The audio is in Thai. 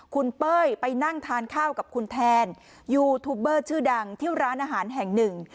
คุณเป้ยไปนั่งทานข้าวกับคุณแทนยูทูบเบอร์ชื่อดังที่ร้านอาหารแห่งหนึ่ง